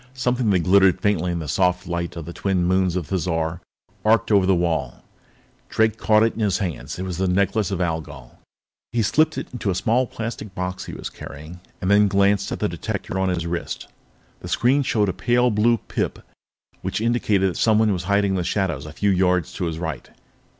Something that glittered faintly in the soft light of the twin moons of Thizar arced over the wall. Drake caught it in his hands. The Necklace of Algol! He slipped it into a small plastic box he was carrying and then glanced at the detector on his wrist. The screen showed a pale blue pip which indicated that someone was hidden in the shadows a few yards to his right.